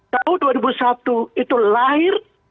tahun dua ribu satu itu lahir